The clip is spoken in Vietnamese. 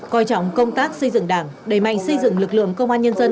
coi trọng công tác xây dựng đảng đẩy mạnh xây dựng lực lượng công an nhân dân